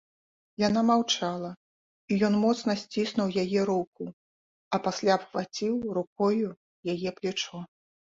Яна маўчала, і ён моцна сціснуў яе руку, а пасля абхваціў рукою яе плячо.